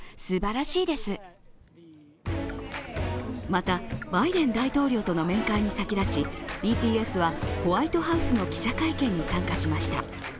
また、バイデン大統領との面会に先立ちＢＴＳはホワイトハウスの記者会見に参加しました。